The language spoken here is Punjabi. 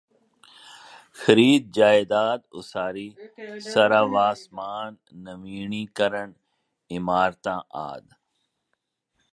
ਖਰੀਦ ਜਾਇਦਾਦ ਉਸਾਰੀ ਸਰਾਵਾਂਸਮਾਨ ਨਵੀਣੀਕਰਣ ਇਮਾਰਤਾਂ ਆਦਿ